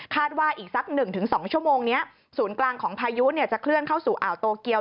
ว่าอีกสัก๑๒ชั่วโมงนี้ศูนย์กลางของพายุจะเคลื่อนเข้าสู่อ่าวโตเกียว